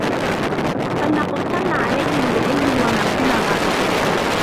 فلنقصن عليهم بعلم وما كنا غائبين